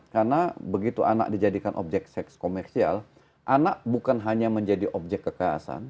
karena begitu anak dijadikan objek seks komersial anak bukan hanya menjadi objek kekerasan